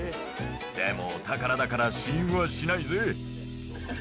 でもお宝だから試飲はしないぜ。